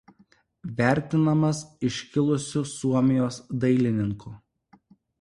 Vertinamas iškiliausiu Suomijos dailininku.